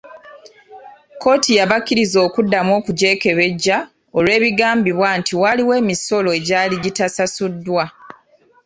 Kkooti yabakkiriza okuddamu okugyekebejja olw’ebigambibwa nti waliwo emisolo egyali gitasasuddwa.